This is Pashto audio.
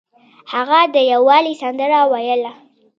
هغه د یووالي سندره ویله.